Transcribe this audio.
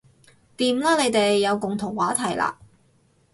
掂啦你哋有共同話題喇